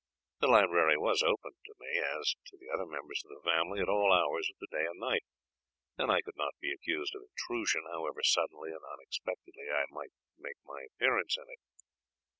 The library was open to me, as to the other members of the family, at all hours of the day and night, and I could not be accused of intrusion, however suddenly and unexpectedly I might made my appearance in it.